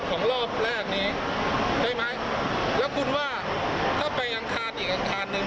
ของรอบแรกนี้ใช่ไหมแล้วคุณว่าถ้าไปอังคารอีกอังคารหนึ่ง